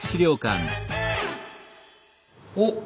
おっ！